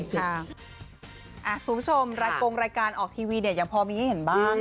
คุณผู้ชมรายกงรายการออกทีวีเนี่ยยังพอมีให้เห็นบ้าง